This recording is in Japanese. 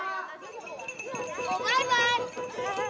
バイバーイ！